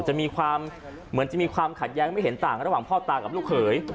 จะมีความเหมือนจะมีความขัดแย้งไม่เห็นต่างระหว่างพ่อตากับลูกเขย